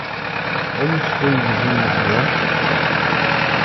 Anect ay yewzen Meẓyan?